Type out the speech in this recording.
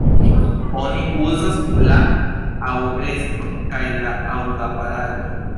Oni uzas la aŭdreston kaj la aŭdaparaton.